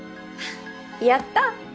やったー！